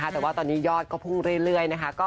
แต่ว่าตอนนี้ยอดก็พุ่งเรื่อยนะคะ